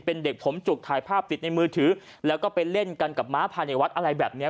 เป็นเด็กผมจุกถ่ายภาพติดในมือถือแล้วก็ไปเล่นกันกับม้าภายในวัดอะไรแบบเนี้ย